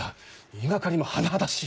言い掛かりも甚だしい。